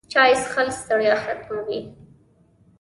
چای څښل د ستړیا ختموي